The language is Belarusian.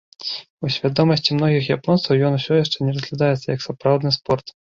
У свядомасці многіх японцаў ён усё яшчэ не разглядаецца як сапраўдны спорт.